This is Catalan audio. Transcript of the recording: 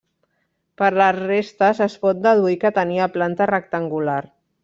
Per les restes es pot deduir que tenia planta rectangular.